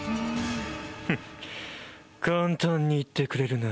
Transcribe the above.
「ふっ簡単に言ってくれるな。